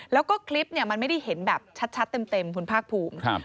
แล้วก็คลิปเนี่ยมันไม่ได้เห็นแบบชัดเต็มคุณภาคภูมิ